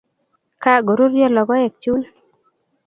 Kagoruryo logoek chun